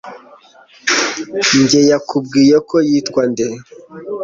Njye yakubwiye ko yitwa nde